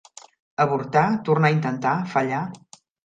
Avortar, tornar a intentar, fallar?